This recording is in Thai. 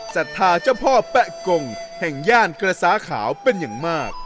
ศรัทธาเจ้าพ่อแปะกงแห่งย่านกระซ้าขาวเป็นอย่างมาก